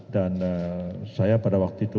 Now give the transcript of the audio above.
dan saya pada waktu itu mencari